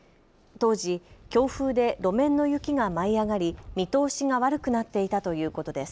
当時、強風で路面の雪が舞い上がり見通しが悪くなっていたということです。